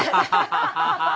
ハハハハハ